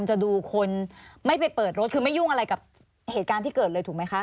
ใช่ไม่ยุ่งอะไรที่เกิดเลยถูกมั้ยคะ